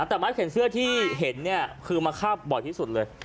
แต่มาร์คเห็นเสื้อที่เห็นเนี่ยคือมาคาบบ่อยที่สุดเลย